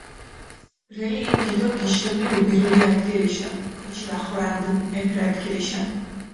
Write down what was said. ბრელი იბდი დო გიშებლი უბირული არდგილიშა, კოჩი ვახორანდჷნ ეფერ არდგილიშა.